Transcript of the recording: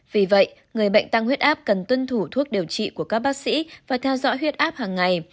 vì vậy người bệnh tăng huyết áp cần tuân thủ thuốc điều trị của các bác sĩ và theo dõi huyết áp hàng ngày